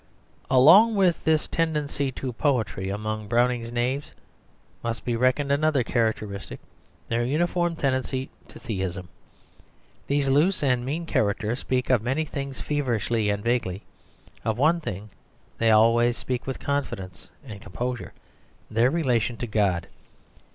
Along with this tendency to poetry among Browning's knaves, must be reckoned another characteristic, their uniform tendency to theism. These loose and mean characters speak of many things feverishly and vaguely; of one thing they always speak with confidence and composure, their relation to God.